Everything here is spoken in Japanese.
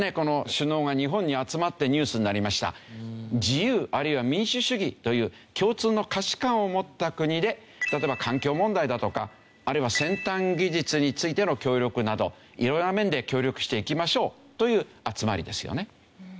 自由あるいは民主主義という共通の価値観を持った国で例えば環境問題だとかあるいは先端技術についての協力など色々な面で協力していきましょうという集まりですよね。